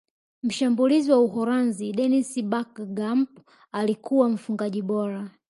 mshambulizi wa uholanzi dennis berkgamp alikuwa mfungaji bora